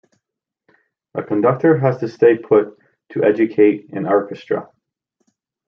A conductor has to stay put to educate an orchestra.